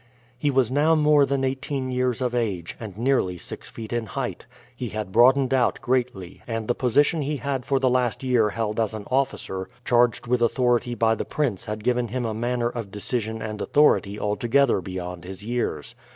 He was now more than eighteen years of age, and nearly six feet in height. He had broadened out greatly, and the position he had for the last year held as an officer charged with authority by the prince had given him a manner of decision and authority altogether beyond his years.